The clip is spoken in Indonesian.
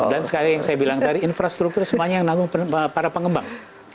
dan sekali yang saya bilang tadi infrastruktur semuanya yang nanggung para pengembang